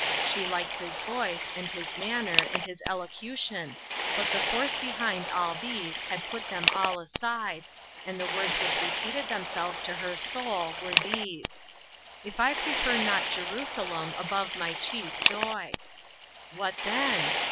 She liked his voice, and his manner, and his elocution, but the force behind all these had put them all aside, and the words which re peated themselves to her soul were these: " If I prefer not Jerusalem above iny chief joy!" What then?